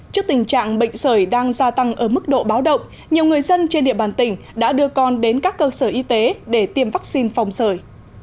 trước tình trạng bệnh sởi đang gia tăng ở mức độ báo động nhiều người dân trên địa bàn tỉnh đã đưa con đến các cơ sở y tế để tiêm vaccine phòng sởi